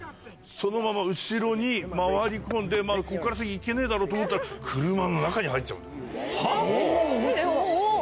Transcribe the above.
そのまま後ろに回り込んでこっから先行けねえだろと思ったら車の中に入っちゃう。